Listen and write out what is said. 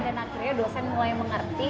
dan akhirnya dosen mulai mengerti